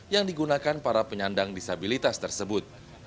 yang digunakan para penyandang disabilitas tersebut